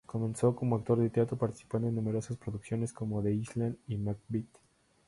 Comenzó como actor de teatro participando en numerosas producciones como "The Island" y "Macbeth".